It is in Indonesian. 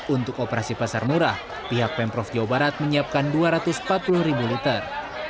untuk operasi pasar murah pihak pemprov jawa barat menyiapkan dua ratus empat puluh ribu liter